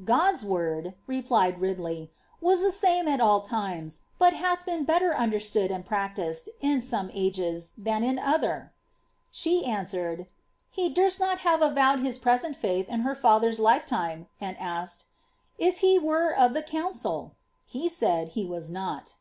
^ God's word," replied Ridley, ^ was the same at all times, but hath been better understood and practised, in some ages, than in other." She answered —^ He durst not have avowed his present fiuth in ber lather's lifetime ;" and asked— ^ If he were of the council ?" He said he was not.